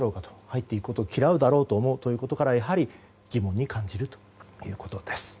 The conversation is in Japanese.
入っていくことを嫌うだろうと思うことからやはり疑問に感じるということです。